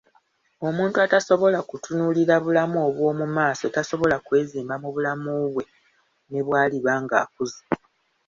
Omuntu atasobola kutunuulira bulamu obwo mu maaso tasobola kwezimba mu bulamu bwe ne bw'aliba ng'akuze.